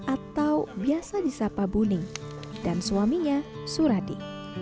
atau biasa di sapa buning dan suaminya suradi